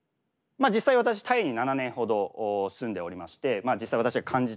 実際私タイに７年ほど住んでおりまして実際私が感じたことですね。